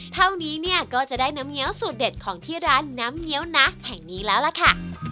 เท่านี้เนี่ยก็จะได้น้ำเงี้ยวสูตรเด็ดของที่ร้านน้ำเงี้ยวนะแห่งนี้แล้วล่ะค่ะ